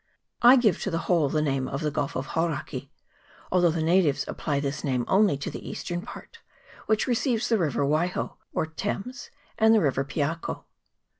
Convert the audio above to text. I give to the whole the name of the Gulf of Hauraki, although the natives apply this name only to the eastern part, which receives the river Waiho, or Thames, and the river Piako.